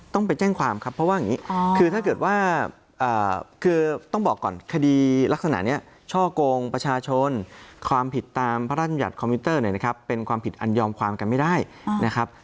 ต้องไปแจ้งความครับเพราะว่าอย่างนี้คือถ้าเกิดว่าคือต้องบอกก่อนคดีลักษณะนี้ช่อกงประชาชนความผิดตามพระราชบัญญัติคอมพิวเตอร์เนี่ยนะครับเป็นความผิดอันยอมความกันไม่ได้นะครับ